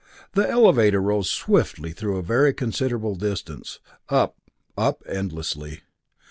The elevator rose swiftly through a very considerable distance up up, endlessly.